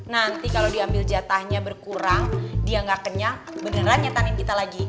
nanti kalau diambil jatahnya berkurang dia nggak kenyang beneran nyetanin kita lagi